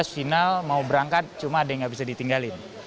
dua ribu dua belas final mau berangkat cuma ada yang gak bisa ditinggalin